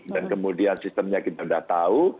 dan kemudian sistemnya kita udah tahu